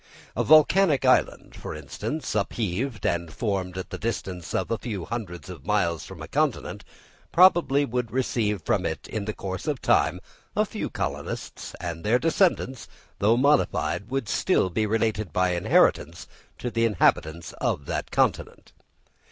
A volcanic island, for instance, upheaved and formed at the distance of a few hundreds of miles from a continent, would probably receive from it in the course of time a few colonists, and their descendants, though modified, would still be related by inheritance to the inhabitants of that continent.